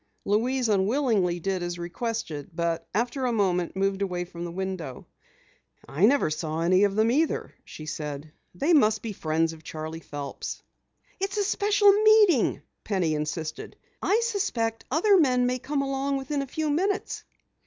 Louise unwillingly did as requested, but after a moment moved away from the window. "I never saw any of them either," she said. "They must be friends of Charley Phelps." "It's a special meeting," Penny insisted. "I suspect other men may come along within a few minutes."